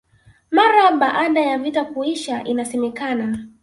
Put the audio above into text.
Mara baada ya vita kuisha inasemekana